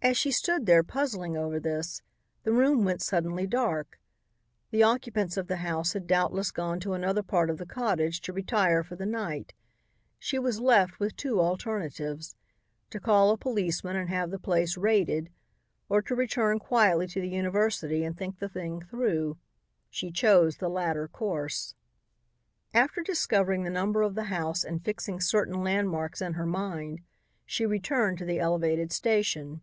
As she stood there puzzling over this, the room went suddenly dark. The occupants of the house had doubtless gone to another part of the cottage to retire for the night. She was left with two alternatives: to call a policeman and have the place raided or to return quietly to the university and think the thing through. She chose the latter course. After discovering the number of the house and fixing certain landmarks in her mind, she returned to the elevated station.